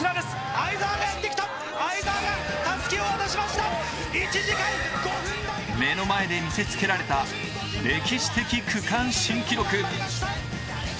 だが目の前で見せつけられた歴史的区間新記録。